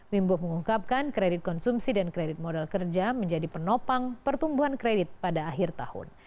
wimbo mengungkapkan kredit konsumsi dan kredit modal kerja menjadi penopang pertumbuhan kredit pada akhir tahun